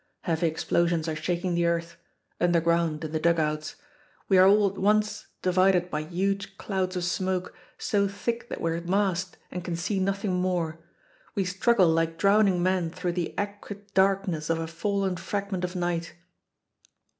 Heavy explosions are shaking the earth underground, in the dug outs. We are all at once divided by huge clouds of smoke so thick that we are masked and can see nothing more. We struggle like drowning men through the acrid darkness of a fallen fragment of night.